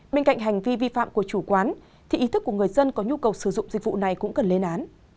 bên cạnh hành vi vi phạm của chủ quán thì ý thức của người dân có nhu cầu sử dụng dịch vụ này cũng cần lên án